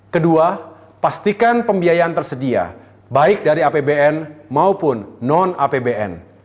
kedua pastikan pembiayaan tersedia baik dari apbn maupun non apbn